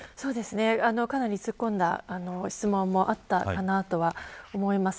かなり突っ込んだ質問もあったかなとは思います。